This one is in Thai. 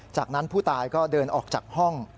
จากนั้นผู้ตายก็เดินออกจากห้อง